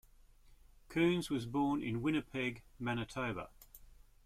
Coons was born in Winnipeg, Manitoba.